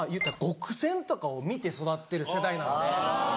『ごくせん』とかを見て育ってる世代なんで。